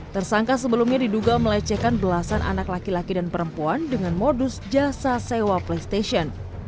tersangka sebelumnya diduga melecehkan belasan anak laki laki dan perempuan dengan modus jasa sewa playstation